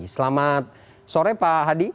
selamat sore pak hadi